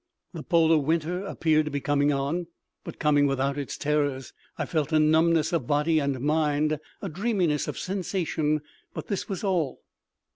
The polar winter appeared to be coming on—but coming without its terrors. I felt a numbness of body and mind—a dreaminess of sensation but this was all.